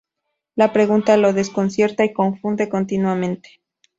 La pregunta lo desconcierta y confunde continuamente.